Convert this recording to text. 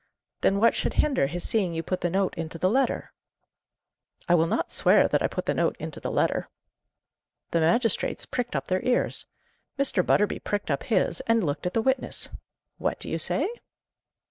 "Then what should hinder his seeing you put the note into the letter?" "I will not swear that I put the note into the letter." The magistrates pricked up their ears. Mr. Butterby pricked up his, and looked at the witness. "What do you say?"